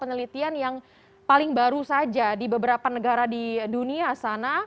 penelitian yang paling baru saja di beberapa negara di dunia sana